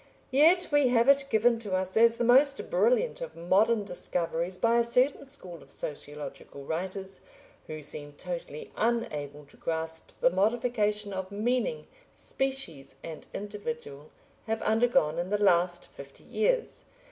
Yet we have it given to us as the most brilliant of modern discoveries by a certain school of sociological writers, who seem totally unable to grasp the modification of meaning "species" and "individual" have undergone in the last fifty years.